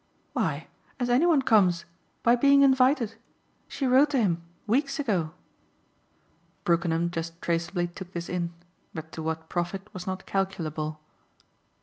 "Why as any one comes by being invited. She wrote to him weeks ago." Brookenham just traceably took this in, but to what profit was not calculable.